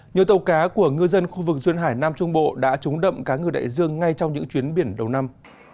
nhiều tàu cá của ngư dân khu vực duyên hải nam trung bộ đã trúng đậm cá ngừ đại dương ngay trong những chuyến biển đầu năm